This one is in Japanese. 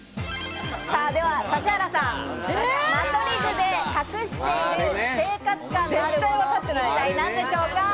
では指原さん、間取り図で隠している生活感のあるもの、一体何でしょうか？